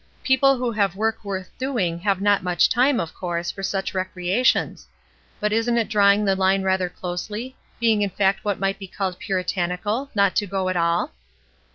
People who have work worth doing have not much time, of course, for such recreations. But isn't it drawing the hne rather closely, being in fact what might be called Puritanical, not to go at all?"